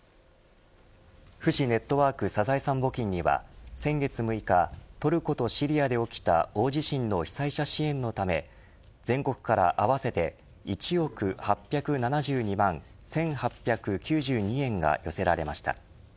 フジネットワークサザエさん募金には先月６日トルコとシリアで起きた大地震の被災者支援のため全国から合わせて１億８７２万１８９２円が寄せられました。